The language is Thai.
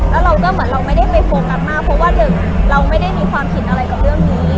แล้วเราก็เหมือนเราไม่ได้ไปโฟกัสมากเพราะว่าหนึ่งเราไม่ได้มีความผิดอะไรกับเรื่องนี้